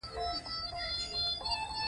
دا خلک د شمال لور ته سفر کوي